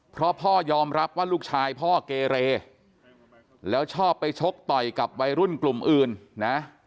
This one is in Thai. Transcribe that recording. เพราะพ่อยอมรับว่าลูกชายพ่อเกเรแล้วชอบไปชกต่อยกับวัยรุ่นกลุ่มอื่นนะ